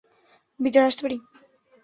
ভিতরে আসতে পারি?